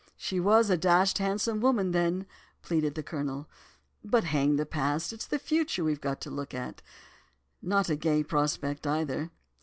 "'She was dashed handsome then,' pleaded the Colonel; 'but hang the past, it's the future we've got to look at—not a gay prospect, either.